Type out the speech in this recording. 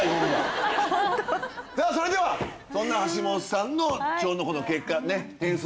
それではそんな橋本さんの腸の結果ね。